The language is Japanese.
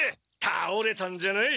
たおれたんじゃない。